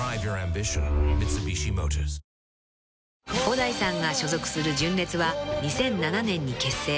［小田井さんが所属する純烈は２００７年に結成］